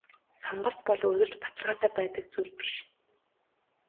Сонголт бол үргэлж баталгаатай байдаг зүйл биш.